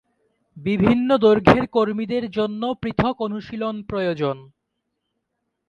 বিভিন্ন দৈর্ঘ্যের কর্মীদের জন্য পৃথক অনুশীলন প্রয়োজন।